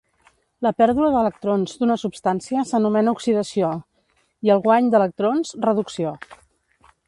La pèrdua d'electrons d'una substància s'anomena oxidació, i el guany d'electrons reducció.